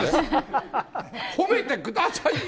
褒めてくださいよ。